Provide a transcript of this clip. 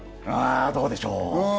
あ、どうでしょう。